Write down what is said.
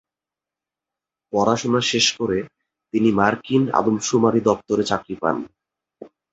পড়াশোনা শেষ করে তিনি মার্কিন আদম শুমারি দফতরে চাকরি পান।